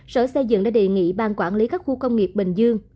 sở xây dựng đã đề nghị ban quản lý các khu công nghiệp bình dương